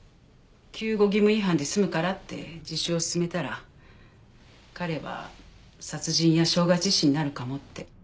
救護義務違反で済むからって自首をすすめたら彼は殺人や傷害致死になるかもって。